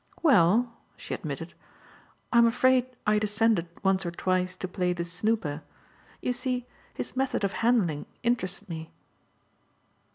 "Well," she admitted, "I'm afraid I descended once or twice to play the 'snooper'. You see, his method of handling interested me."